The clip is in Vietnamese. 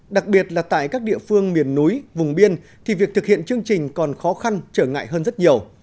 đặc biệt là tại các địa phương miền núi vùng biên thì việc thực hiện chương trình còn khó khăn trở ngại hơn rất nhiều